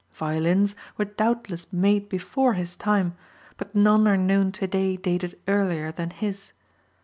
Violins were doubtless made before his time, but none are known to day dated earlier than his.